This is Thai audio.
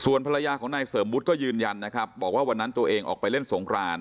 ภรรยาของนายเสริมวุฒิก็ยืนยันนะครับบอกว่าวันนั้นตัวเองออกไปเล่นสงคราน